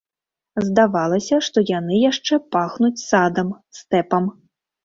Здавалася, што яны яшчэ пахнуць садам, стэпам.